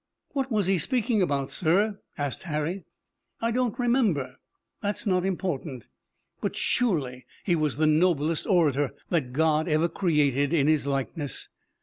"What was he speaking about, sir?" asked Harry. "I don't remember. That's not important. But surely he was the noblest orator God ever created in His likeness.